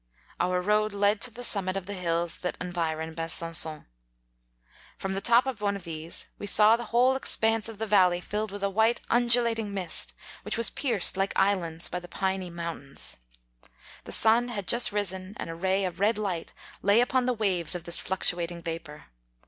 Our road led to the summit of the hills that environ Besan£on. From the top of one of these we saw the whole expanse of the valley filled witti a white undulating mist, which was pierced like islands by the piny moun tains. The sun had just risen, and a ray of red light lay upon the waves of 85 this fluctuating vapour.